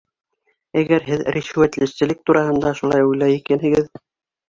Әгәр һеҙ ришүәтселек тураһында шулай уйлай икәнһегеҙ...